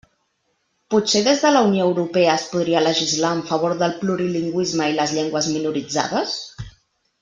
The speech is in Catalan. Potser des de la Unió Europea es podria legislar en favor del plurilingüisme i les llengües minoritzades?